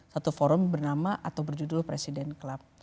satu forum bernama atau berjudul presiden club